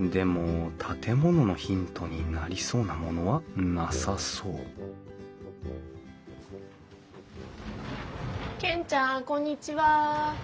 でも建物のヒントになりそうなものはなさそう健ちゃんこんにちは。